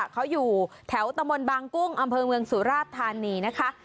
เขาอยู่แถวตะมนต์บางกุ้งอำเภอเมืองสุราชธานีนะคะ